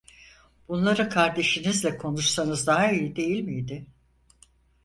Bunları kardeşinizle konuşsanız daha iyi değil miydi?